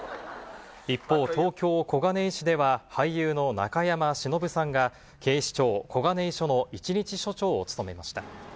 一方、東京・小金井市では、俳優の中山忍さんが、警視庁小金井署の一日署長を務めました。